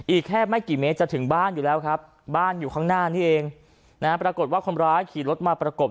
อีกแค่ไม่กี่เมตรจะถึงบ้านอยู่แล้วครับบ้านอยู่ข้างหน้านี้เองนะฮะปรากฏว่าคนร้ายขี่รถมาประกบ